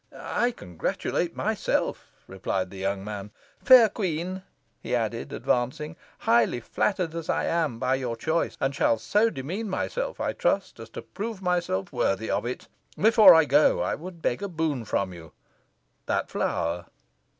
"I congratulate myself," replied the young man. "Fair queen," he added, advancing, "highly flattered am I by your choice, and shall so demean myself, I trust, as to prove myself worthy of it. Before I go, I would beg a boon from you that flower."